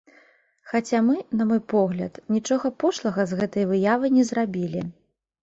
Хаця мы, на мой погляд, нічога пошлага з гэтай выявай не зрабілі.